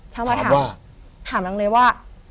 เช้ามาถามถามมาเลยว่า